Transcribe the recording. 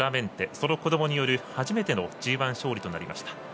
その子どもによる初めてのＧＩ勝利となりました。